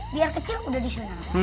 biar kecil udah disunat